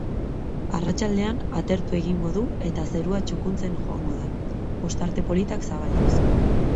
Arratsaldean atertu egingo du eta zerua txukuntzen joango da, ostarte politak zabalduz.